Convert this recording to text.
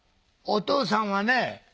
お父さんはね